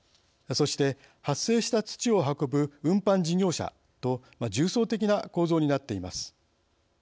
そして発生した土を運ぶ運搬事業者と重層的な構造になっています。